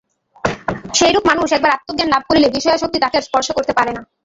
সেইরূপ মানুষ একবার আত্মজ্ঞান লাভ করিলে বিষয়াসক্তি তাকে আর স্পর্শ করতে পারে না।